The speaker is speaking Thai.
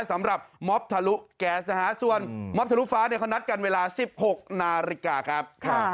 สำหรับม็อบทะลุแก๊สนะฮะส่วนม็อฟ้าเนี่ยเขานัดกันเวลา๑๖นาฬิกาครับ